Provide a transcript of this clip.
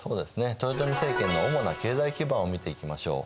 豊臣政権の主な経済基盤を見ていきましょう。